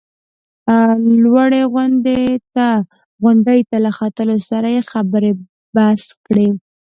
لوړې غونډۍ ته له ختو سره یې خبرې بس کړل.